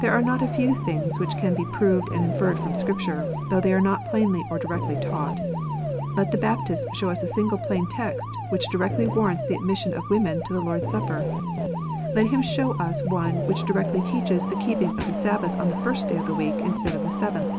There are not a few things which can be proved and inferred from Scripture, though they are not plainly and directly taught. Let the Baptist show us a single plain text which directly warrants the admission of women to the Lord s Supper. Let him show us one which directly teaches the keeping of the Sabbath 011 the first day of the week instead of the seventh.